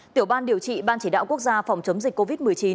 tiểu ban điều trị ban chỉ đạo quốc gia phòng chống dịch covid một mươi chín